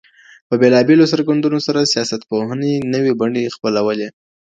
په بېلابېلو څرګندونو سره سياستپوهنې نوې بڼې خپلولې.